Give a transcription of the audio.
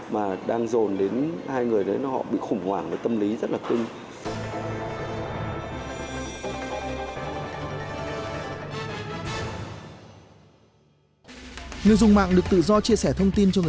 mà đang dồn đến hai người đấy họ bị khủng hoảng với tâm lý rất là tinh